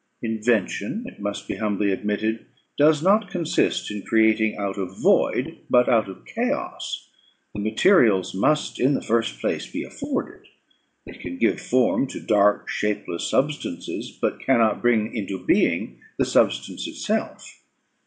Invention, it must be humbly admitted, does not consist in creating out of void, but out of chaos; the materials must, in the first place, be afforded: it can give form to dark, shapeless substances, but cannot bring into being the substance itself.